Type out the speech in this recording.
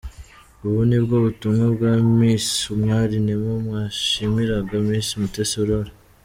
Ubu nibwo butumwa bwa Miss Umwali Neema bwashimiraga Miss Mutesi Aurore.